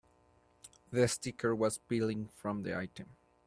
The sticker was peeling from the item.